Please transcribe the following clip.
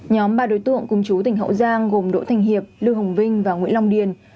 nhóm ba đối tượng cùng chú tỉnh hậu giang gồm đỗ thành hiệp lưu hồng vinh và nguyễn long điền